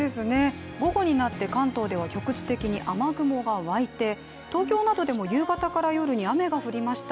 午後になって関東では局地的に雨雲が沸いて東京などでも夕方から夜に雨が降りました。